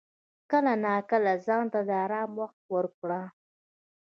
کله ناکله ځان ته د آرام وخت ورکړه.